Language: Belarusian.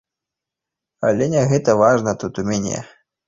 Але не гэта важна тут у мяне.